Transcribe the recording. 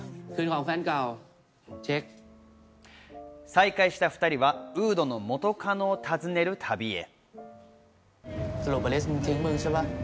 再会した２人はウードの元カノを訪ねる旅へ。